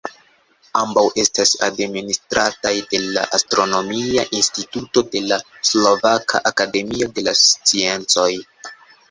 Ambaŭ estas administrataj de la Astronomia instituto de la Slovaka akademio de la sciencoj.